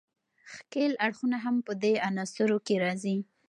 ښکیل اړخونه هم په دې عناصرو کې راځي.